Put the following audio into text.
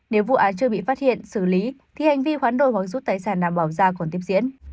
nếu vụ án chưa bị phát hiện xử lý thì hành vi hoán đổi hoán rút tài sản đảm bảo ra còn tiếp diễn